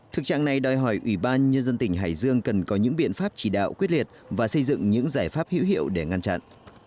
thực trạng này đòi hỏi ủy ban nhân dân tỉnh hải dương cần có những biện pháp chỉ đạo quyết liệt và xây dựng những giải pháp hữu hiệu để ngăn chặn